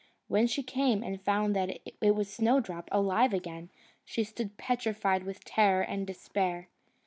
When she came, and found that it was Snowdrop alive again, she stood petrified with terror and despair.